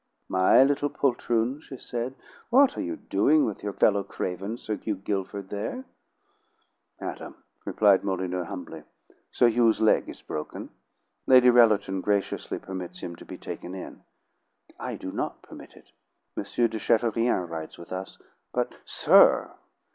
"My little poltroons," she said, "what are you doing with your fellow craven, Sir Hugh Guilford, there?" "Madam," replied Molyneux humbly, "Sir Hugh's leg is broken. Lady Rellerton graciously permits him to be taken in." "I do not permit it! M. de Chateaurien rides with us." "But " "Sir!